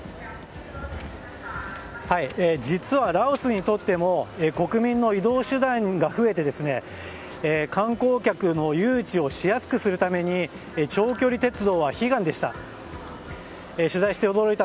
実は、ラオスにとっても国民の移動手段が増えて観光客の誘致をしやすくするために長距離鉄道は悲願でした。